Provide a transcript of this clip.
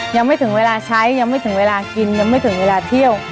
ยังไม่ถึงเวลาใช้ยังไม่ถึงเวลากินยังไม่ถึงเวลาเที่ยว